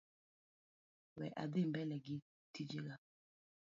We adhi mbele gi tijega.